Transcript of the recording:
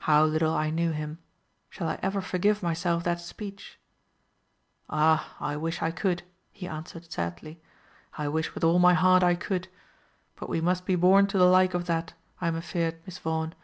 How little I knew him! Shall I ever forgive myself that speech? "Ah, I wish I could," he answered, sadly, "I wish with all my heart I could. But we must be born to the like of that, I am afeared, Miss Vaughan."